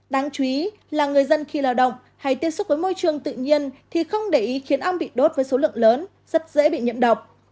đáng chú ý là người dân khi lao động hay tiếp xúc với môi trường tự nhiên thì không để ý khiến ong bị đốt với số lượng lớn rất dễ bị nhiễm độc